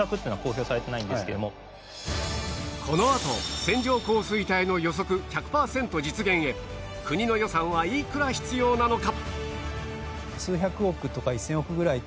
このあと線状降水帯の予測１００パーセント実現へ国の予算はいくら必要なのか？